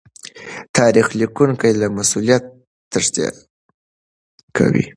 تاريخ ليکونکي له مسوليته تېښته کوي.